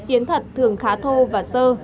yến thật thường khá thô và sơ